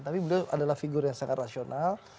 tapi beliau adalah figur yang sangat rasional